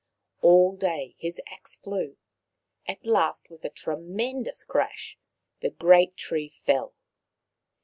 All day his axe flew. At last, with a tremendous crash, the great tree fell.